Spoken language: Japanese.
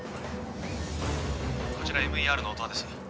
こちらＭＥＲの音羽です